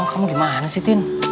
kamu gimana sih tin